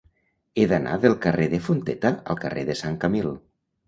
He d'anar del carrer de Fonteta al carrer de Sant Camil.